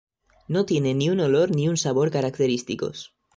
No tiene ni un olor ni un sabor característicos.